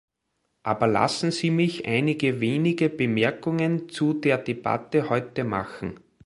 Aber lassen Sie mich einige wenige Bemerkungen zu der Debatte heute machen.